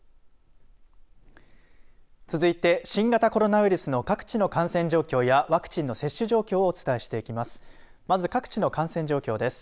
続いて、新型コロナウイルスの各地の感染状況やワクチンの接種状況をお伝えしていきます。